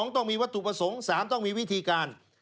ต้องมีวัตถุประสงค์๓ต้องมีวิธีการ